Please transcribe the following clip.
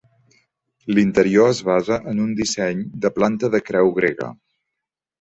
L'interior es basa en un disseny de planta de creu grega.